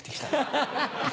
ハハハ